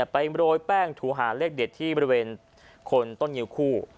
โรยแป้งถูหาเลขเด็ดที่บริเวณคนต้นงิวคู่